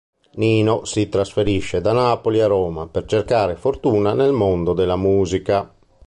Nino si trasferisce da Napoli a Roma per cercare fortuna nel mondo della musica.